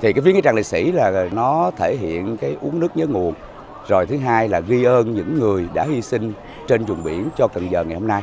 thì cái viếng nghĩa trang liệt sĩ là nó thể hiện cái uống nước nhớ nguồn rồi thứ hai là ghi ơn những người đã hy sinh trên dùng biển cho cần giờ ngày hôm nay